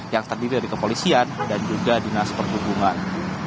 yang terdiri dari kepolisian dan juga dinas perhubungan